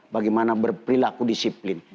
bagaimana berperilaku disiplin